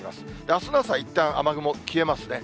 あすの朝、いったん雨雲消えますね。